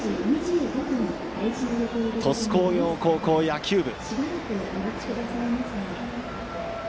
鳥栖工業高校野球部。